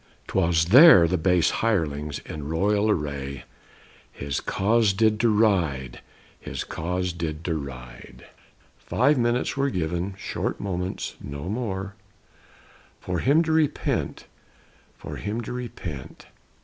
'Twas there the base hirelings, in royal array, His cause did deride; his cause did deride. Five minutes were given, short moments, no more, For him to repent; for him to repent.